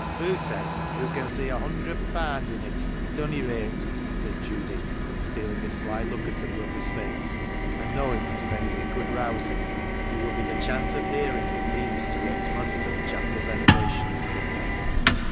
" Hoo says hoo can see a hunderd paand in it, at ony rate," said Judy, stealing a sly look at her brother's face, and knowing that if any thing could rouse him it would be the chance of hearing of means to raise money for the chapel renovation scheme.